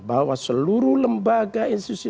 bahwa seluruh lembaga institusi